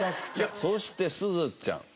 そしてすずちゃん。